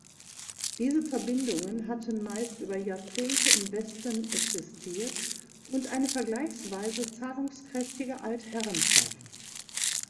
Diese Verbindungen hatten meist über Jahrzehnte im Westen existiert und eine vergleichsweise zahlungskräftige Altherrenschaft.